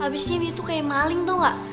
abisnya dia tuh kayak maling tau gak